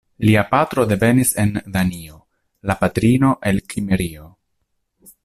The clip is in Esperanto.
Lia patro devenis en Danio, la patrino el Kimrio.